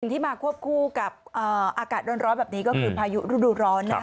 ที่มาควบคู่กับอากาศร้อนแบบนี้ก็คือพายุฤดูร้อน